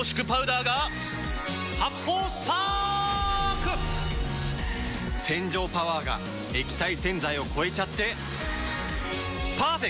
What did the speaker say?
発泡スパーク‼洗浄パワーが液体洗剤を超えちゃってパーフェクト！